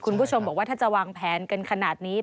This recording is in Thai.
คุณผู้ชมบอกว่าถ้าจะวางแผนกันขนาดนี้